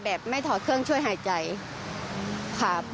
แบบไม่ถอดเครื่องช่วยหายใจค่ะ